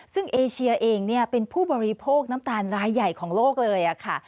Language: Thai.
ซึ่งเอเชียเองเป็นผู้บริโภคน้ำตาลรายใหญ่ของโลกเลยค่ะ